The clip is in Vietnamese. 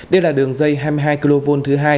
đây là đường dây hai mươi hai kv thứ hai